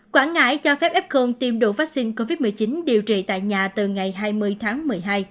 quảng ngãi cho phép f tiêm đủ vaccine covid một mươi chín điều trị tại nhà từ ngày hai mươi tháng một mươi hai